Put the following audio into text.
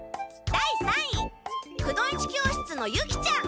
第三位くの一教室のユキちゃん！